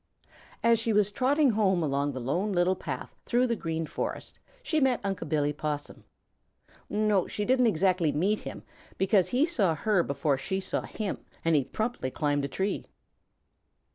As she was trotting home along the Lone Little Path through the Green Forest, she met Unc' Billy Possum. No, she didn't exactly meet him, because he saw her before she saw him, and he promptly climbed a tree.